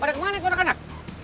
pada kemana itu anak anak